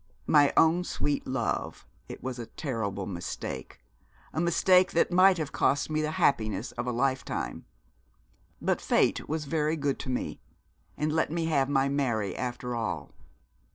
'My own sweet love, it was a terrible mistake, a mistake that might have cost me the happiness of a lifetime. But Fate was very good to me, and let me have my Mary after all.